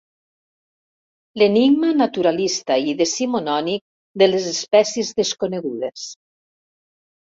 L'enigma naturalista i decimonònic de les espècies desconegudes.